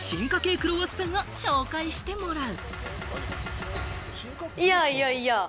クロワッサンを紹介してもらう。